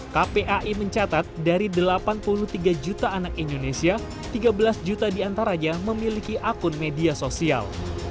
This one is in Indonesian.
kpai mencatat dari delapan puluh tiga juta anak indonesia tiga belas juta diantaranya memiliki akun media sosial